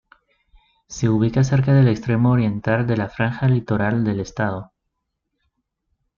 Se ubica cerca del extremo oriental de la franja litoral del estado.